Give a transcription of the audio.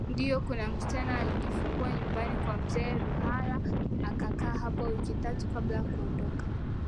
ndiyo kuna msichana alijifungua nyumbani kwa mzee ruhala akakaa hapo wiki tatu kabla kuondoka